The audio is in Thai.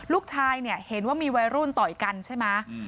ลูกชายเนี่ยเห็นว่ามีวัยรุ่นต่อยกันใช่ไหม